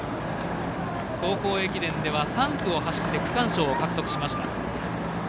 高校駅伝では３区を走って区間賞を獲得しました。